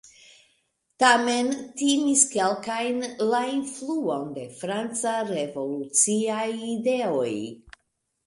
Tamen timis kelkajn la influon de franca revoluciaj ideoj.